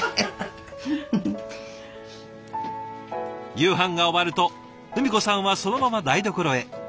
夕飯が終わると文子さんはそのまま台所へ。